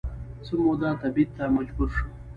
څه موده تبعید ته مجبور شو